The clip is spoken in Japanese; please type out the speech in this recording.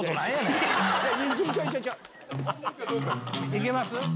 行けます？